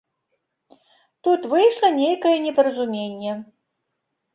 Тут выйшла нейкае непаразуменне.